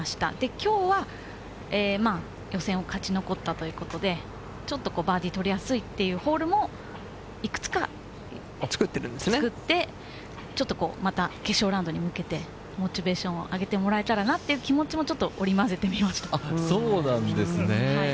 今日は予選を勝ち残ったということで、ちょっとバーディーを取りやすいっていうホールもいくつか作って、ちょっと決勝ラウンドに向けて、モチベーションを上げてもらえたらなっていう気持ちもちょっと織り交ぜてみました。